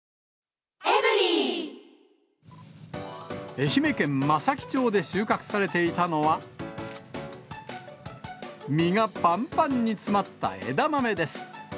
愛媛県松前町で収穫されていたのは、身がぱんぱんに詰まった枝豆です。